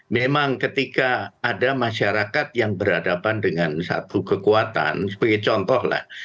memang ketika ada masyarakat yang berhadapan dengan satu kekuatan sebagai contoh lah